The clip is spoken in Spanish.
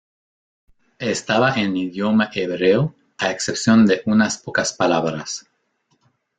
Estaba en idioma hebreo a excepción de unas pocas palabras.